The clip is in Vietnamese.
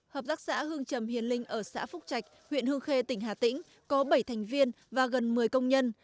hợp tác xã hương trầm hiền linh ở xã phúc trạch huyện hương khê tỉnh hà tĩnh có bảy thành viên và gần một mươi công nhân